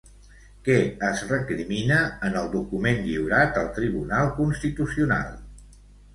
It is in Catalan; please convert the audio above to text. Què es recrimina en el document lliurat al Tribunal Constitucional?